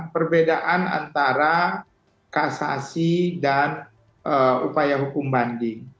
perbedaan antara kasasi dan upaya hukum banding